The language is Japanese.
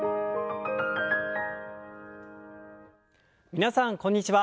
皆さんこんにちは。